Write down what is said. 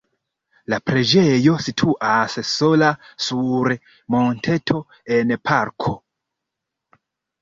La preĝejo situas sola sur monteto en parko.